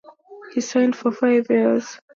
He signed for five years.